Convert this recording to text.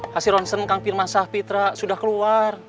hasil ronsen kang firman sah pitra sudah keluar